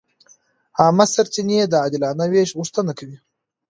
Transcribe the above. عامه سرچینې د عادلانه وېش غوښتنه کوي.